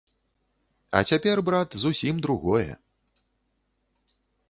А цяпер, брат, зусім другое.